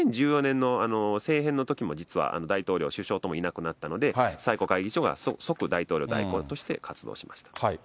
２０１４年の政変のときも実は大統領、首相ともいなくなったので、最高会議議長が、即大統領代行として活動しました。